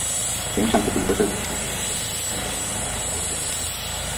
তিনি সাম্প্রতিক বছরগুলোতে দেশের রাজস্বসহ অর্থনৈতিক বিভিন্ন খাতের অগ্রগতি তুলে ধরেন।